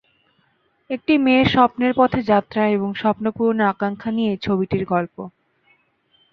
একটি মেয়ের স্বপ্নের পথে যাত্রা এবং স্বপ্ন পূরণের আকাঙ্ক্ষা নিয়েই ছবিটির গল্প।